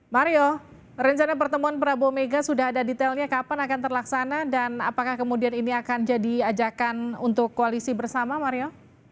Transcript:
mario rencana pertemuan prabowo mega sudah ada detailnya kapan akan terlaksana dan apakah kemudian ini akan jadi ajakan untuk koalisi bersama mario